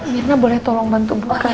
mirna boleh tolong bantu buka